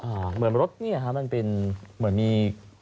เหมือนรถเนี่ยฮะมันเป็นเหมือนมี